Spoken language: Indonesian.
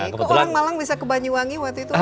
kok orang malang bisa ke banyuwangi waktu itu apa